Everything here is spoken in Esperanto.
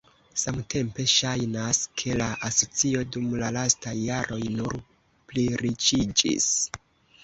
Samtempe ŝajnas, ke la asocio dum la lastaj jaroj nur pliriĉiĝis.